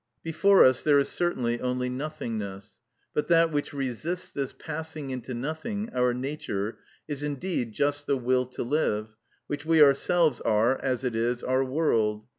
Before us there is certainly only nothingness. But that which resists this passing into nothing, our nature, is indeed just the will to live, which we ourselves are as it is our world.